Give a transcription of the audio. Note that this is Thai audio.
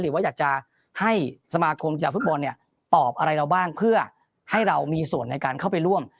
หรือว่าอยากจะให้สมาคมกีฬาฟุตบอลเนี่ยตอบอะไรเราบ้างเพื่อให้เรามีส่วนในการเข้าไปร่วม